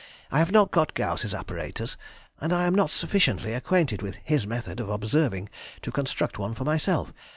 I have not got Gauss's apparatus, and I am not sufficiently acquainted with his method of observing to construct one for myself.